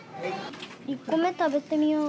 １個目食べてみよう。